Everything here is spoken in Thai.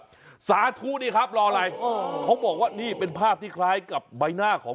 มีความเชื่อสาธุนี่ครับรอไหลเขาบอกว่านี่เป็นภาพที่คล้ายกับใบหน้าของ